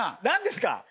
何ですか！